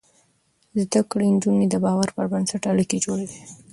زده کړې نجونې د باور پر بنسټ اړيکې جوړوي.